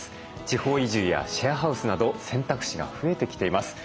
地方移住やシェアハウスなど選択肢が増えてきています。